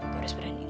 gue harus berani